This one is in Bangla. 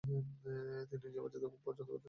তিনি নিজের বাচ্চাদের খুব পছন্দ করতেন।